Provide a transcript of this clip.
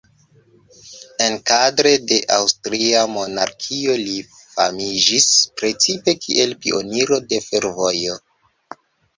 Enkadre de aŭstria monarkio li famiĝis precipe kiel pioniro de fervojo.